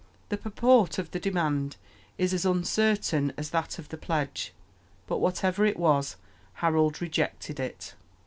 The purport of the demand is as uncertain as that of the pledge; but, whatever it was, Harold rejected it.